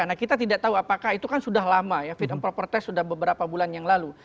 nah kita tidak tahu apakah itu kan sudah lama ya fit and proper test sudah beberapa bulan yang lalu